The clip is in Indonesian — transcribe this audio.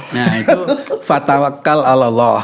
nah itu fatawakkal allah